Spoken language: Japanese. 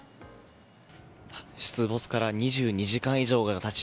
出没から２２時間以上が経ち